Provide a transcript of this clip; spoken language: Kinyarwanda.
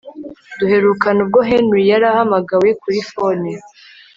Duherukana ubwo henry yari ahamagawe kuri phone